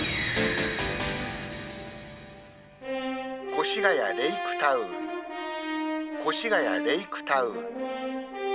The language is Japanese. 越谷レイクタウン越谷レイクタウン。